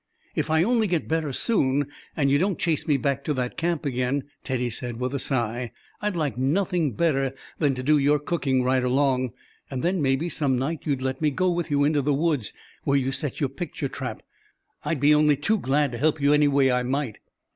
"If I only get better soon, and you don't chase me back to that camp again," Teddy said, with a sigh, "I'd like nothing better than to do your cooking right along. And then maybe some night you'd let me go with you into the woods where you set your picture trap. I'd be only too glad to help you any way I might."